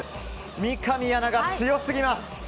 三上アナが強すぎます。